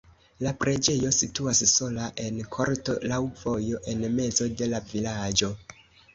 La preĝejo situas sola en korto laŭ vojo en mezo de la vilaĝo.